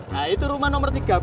nah itu rumah nomor tiga puluh